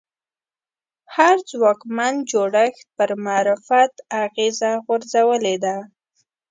هر ځواکمن جوړښت پر معرفت اغېزه غورځولې ده